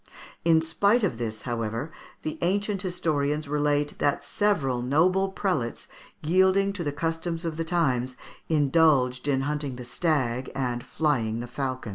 In spite of this, however, the ancient historians relate that several noble prelates, yielding to the customs of the times, indulged in hunting the stag and flying the falcon.